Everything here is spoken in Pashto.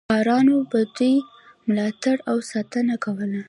خوارانو به د دوی ملاتړ او ساتنه کوله.